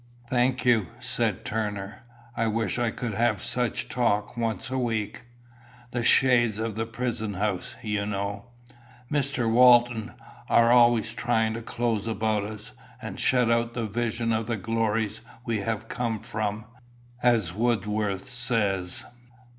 "Thank you," said Turner. "I wish I could have such talk once a week. The shades of the prison house, you know, Mr. Walton, are always trying to close about us, and shut out the vision of the glories we have come from, as Wordsworth says."